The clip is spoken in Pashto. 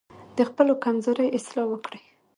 د خپلو کمزورۍ اصلاح وکړئ.